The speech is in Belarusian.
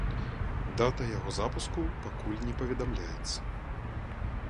Дата яго запуску пакуль не паведамляецца.